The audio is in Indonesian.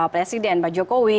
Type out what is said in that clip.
presiden mbak jokowi